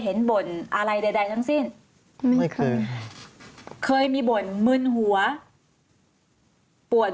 บ่นอะไรใดทั้งสิ้นไม่เคยเคยมีบ่นมึนหัวปวด